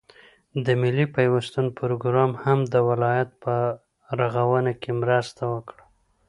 د ملي پيوستون پروگرام هم د ولايت په رغاونه كې مرسته وكړه،